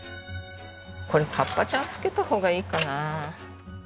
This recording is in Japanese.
これ葉っぱちゃん付けた方がいいかな？